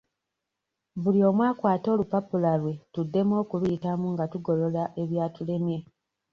Buli omu akwate olupapula lwe tuddemu okuluyitamu nga tugolola ebyatulemye.